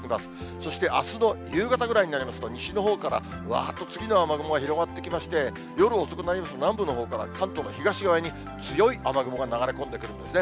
そしてあすの夕方ぐらいになりますと、西のほうからわーっと次の雨雲が広がってきまして、夜遅くなりますと、南部のほうから関東の東側に、強い雨雲が流れ込んでくるんですね。